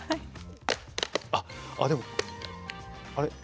あっあっでもあれ？